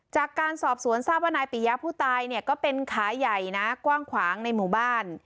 จากการสอบสวนทราบว่านายปิยะผู้ตายเนี่ยก็เป็นขาใหญ่นะกว้างขวางในหมู่บ้าน